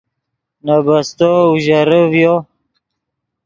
نے بستو اوژرے ڤیو